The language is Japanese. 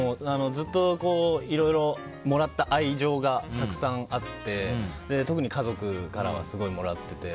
ずっといろいろもらった愛情がたくさんあって特に家族からはすごいもらってて。